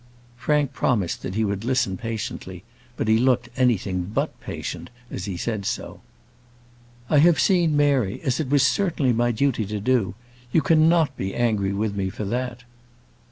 Frank promised that he would listen patiently; but he looked anything but patient as he said so. "I have seen Mary, as it was certainly my duty to do. You cannot be angry with me for that."